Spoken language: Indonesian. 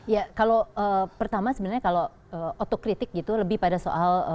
ya kalau pertama sebenarnya kalau otokritik gitu lebih pada soal